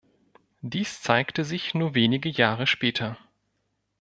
Dies zeigte sich nur wenige Jahre später.